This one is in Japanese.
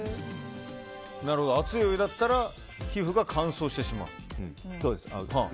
熱いお湯だったら皮膚が乾燥してしまうと。